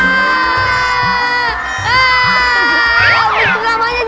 ya ya sudah air